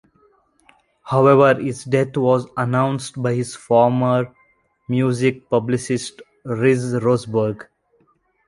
However his death was announced by his former music publicist Liz Roseberg.